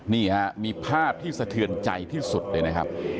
นี่ฮะมีภาพที่สะเทือนใจที่สุดเลยนะครับ